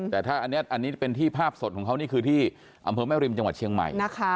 แต่ถ้าอันนี้เป็นที่ภาพสดของเขานี่คือที่อำเภอแม่ริมจังหวัดเชียงใหม่